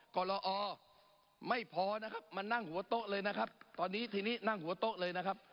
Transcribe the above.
กรไม่พอนะครับมานั่งหัวโต๊ะเลยนะครับตอนนี้ทีนี้นั่งหัวโต๊ะเลยนะครับ